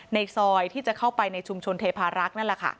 ในซอยที่จะเข้าไปในชุมชนเทพารักษ์นั่นแหละค่ะ